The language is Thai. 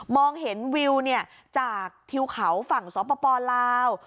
มองเห็นวิวเนี่ยจากธิวเขาฝั่งสวปปลาว